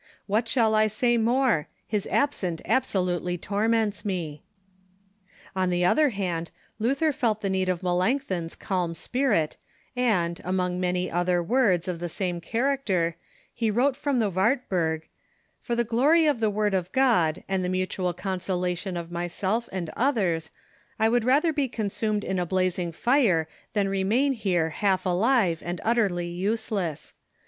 What shall I say more? llis absence absolutely torments me." On the other hand, Luther felt the need of Melanchthon's calm spirit, and, among many other words of the same character, he wrote him from the Wartburg: "For the glory of the Word of God and the mutual consolation of myself and others, I would rather be consumed in a blazing fire than remain here half alive and utterly useless.